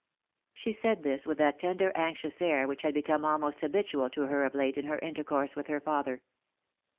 She said this with that tender anxious air which had become almost habitual to her of late in her intercourse with her father.